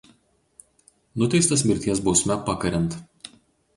Nuteistas mirties bausme pakariant.